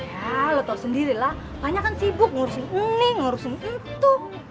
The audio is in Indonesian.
ya lo tau sendiri lah fanya kan sibuk ngurusin ini ngurusin itu